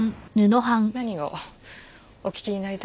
何をお聞きになりたいんですか？